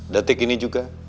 detik ini juga